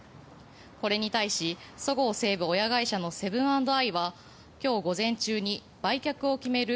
これに対しそごう・西武親会社のセブン＆アイは今日午前中に売却を決める